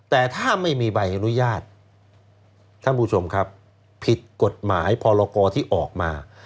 แต่ถ้าไม่มีใบอนุญาตท่านผู้ชมครับผิดกฎหมายพรกรที่ออกมา